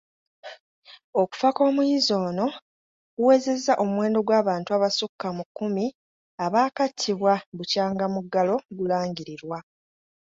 Okufa kw'omuyizi ono, kuwezezza omuwendo gw'abantu abasukka mu kkumi abaakattibwa bukyanga muggalo gulangirirwa.